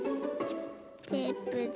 テープで。